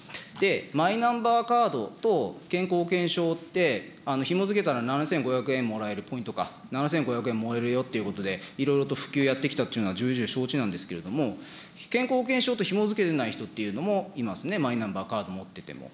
マイナンバーカードと健康保険証って、ひも付けたら７５００円もらえる、ポイントか、７５００円もらえるよということでいろいろと普及やってきたというのは、じゅうじゅう承知なんですけれども、健康保険証とひも付けていない人もいますね、マイナンバーカード持ってても。